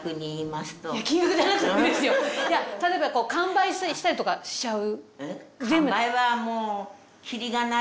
例えば完売したりとかしちゃう？